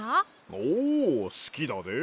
おうすきだで！